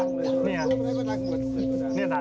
ไม่เคยเพิ่มความทำแท้